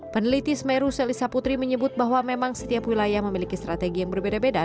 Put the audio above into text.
peneliti semeru selisa putri menyebut bahwa memang setiap wilayah memiliki strategi yang berbeda beda